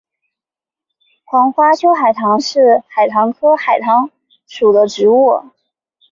黄花秋海棠是秋海棠科秋海棠属的植物。